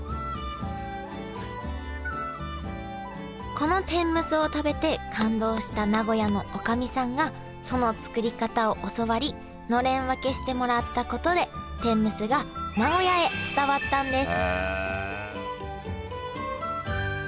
この天むすを食べて感動した名古屋のおかみさんがその作り方を教わりのれん分けしてもらったことで天むすが名古屋へ伝わったんです